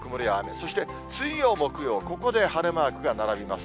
そして水曜、木曜、ここで晴れマークが並びます。